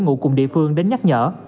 bộ cùng địa phương đến nhắc nhở